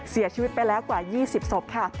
เสียชีวิตไปแล้วกว่า๒๐ศพค่ะ